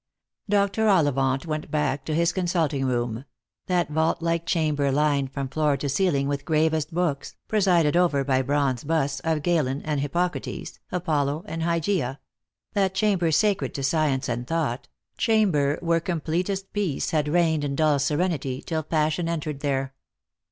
Dr. Ollivant went back to his consulting room — that vault like chamber lined from floor to ceiling with gravest books, presided over by bronze busts of Galen and Hippocrates, Apollo and Hygieia — that chamber sacred to science and thought, chamber where completest peace had reigned in dull serenity till passion entered there.